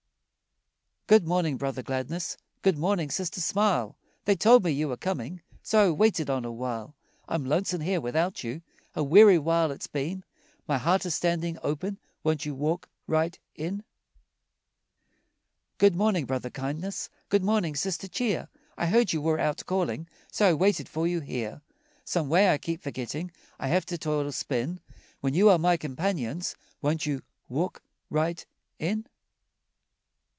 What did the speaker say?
Good morning, Brother Gladness, Good morning, Sister Smile, They told me you were coming, So I waited on a while. I'm lonesome here without you, A weary while it's been, My heart is standing open, Won't you walk right in? Good morning, Brother Kindness, Good morning, Sister Cheer, I heard you were out calling, So I waited for you here. Some way, I keep forgetting I have to toil or spin When you are my companions, Won't you walk right in?